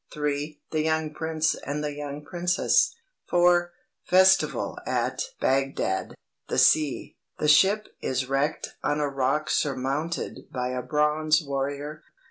3. The Young Prince and the Young Princess. 4. Festival at Bagdad. The Sea. The Ship is Wrecked on a Rock Surmounted by a Bronze Warrior.